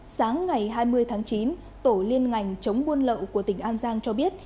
sáng ngày hai mươi tháng chín tổ liên ngành chống buôn lậu của tỉnh an giang cho biết